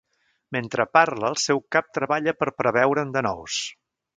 Mentre parla el seu cap treballa per preveure'n de nous.